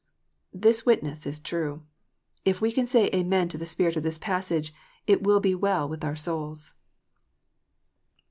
This witness is true. If we can say Amen to the spirit of this passage it will be well with our souls.